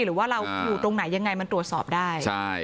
หรือว่าเราอยู่ตรงไหนยังไงมันตรวจสอบได้